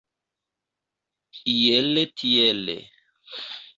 Iele tiele.